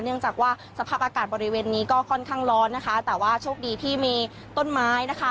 เนื่องจากว่าสภาพอากาศบริเวณนี้ก็ค่อนข้างร้อนนะคะแต่ว่าโชคดีที่มีต้นไม้นะคะ